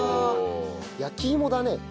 焼き芋だね。